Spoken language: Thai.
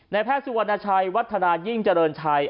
แพทย์สุวรรณชัยวัฒนายิ่งเจริญชัย